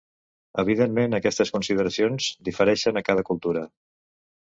Evidentment aquestes consideracions difereixen a cada cultura.